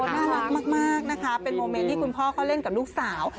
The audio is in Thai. น่ารักมากนะคะเป็นโมเมนต์ที่คุณพ่อเขาเล่นกับลูกสาว